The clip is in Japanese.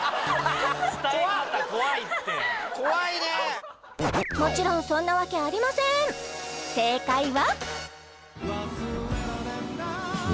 怖いね伝え方怖いってもちろんそんなわけありません正解は？